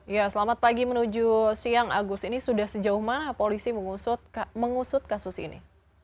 ya selamat pagi menuju siang agus ini sudah sejauh mana polisi mengusut kasus ini